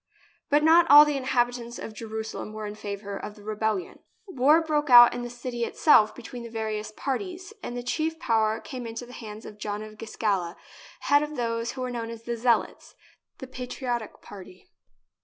But not all the inhabitants of Jerusalem were in favour of the rebellion. War broke out in the city itself between the various parties, and the chief power came into the hands of John of Giscala, head of those who were known as the Zealots — the patri otic party.